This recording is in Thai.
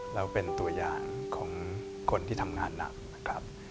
แล้วเป็นตัวอย่างของคนที่ทำงานหนักนะครับ